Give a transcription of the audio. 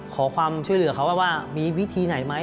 ขอความช่วยเหลือเขาว่ามีวิธีไหนไหม